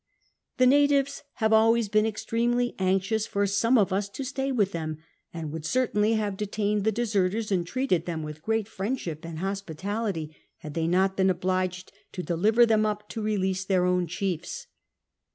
The natives liave always been extremely anxious for some of us to stay w'ith them, and would certainly have detained the <leserters and treiite<l them with great friendship and hospi tality, had they not been obliged to deliver them u]) to release their ow'ii chiefs.